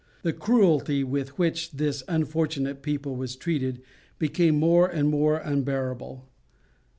The cruelty with which this unfortunate people was treated became more and more unbearable.